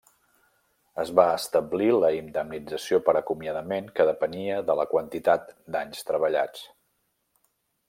Es va establir la indemnització per acomiadament que depenia de la quantitat d'anys treballats.